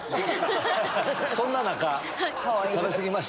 そんな中「食べ過ぎました」？